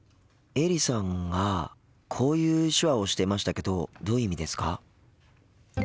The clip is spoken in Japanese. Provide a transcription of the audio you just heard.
エリさんがこういう手話をしてましたけどどういう意味ですか？